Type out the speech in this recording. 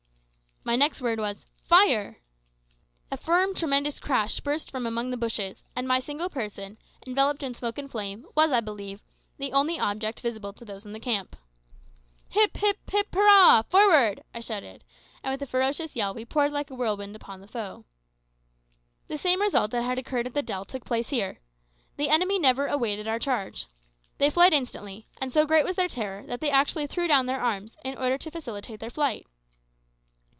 My next word was, "Fire!" A firm, tremendous crash burst from among the bushes, and my single person, enveloped in smoke and flame, was, I believe, the only object visible to those in the camp. "Hip, hip, hip, hurrah! forward!" I shouted; and with a ferocious yell we poured like a whirlwind upon the foe. The same result that had occurred at the dell took place here. The enemy never awaited our charge. They fled instantly, and so great was their terror that they actually threw down their arms, in order to facilitate their flight.